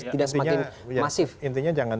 tidak semakin masif intinya jangan